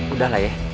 udah lah ya